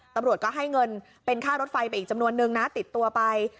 ตำรวจก็ให้เงินเป็นค่ารถไฟไปอีกจำนวนนึงนะติดตัวไป